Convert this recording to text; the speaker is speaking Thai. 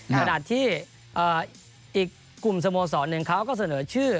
ขณะที่อีกกลุ่มสโมสรหนึ่งเขาก็เสนอชื่อ